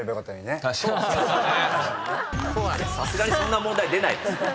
さすがにそんな問題出ないです。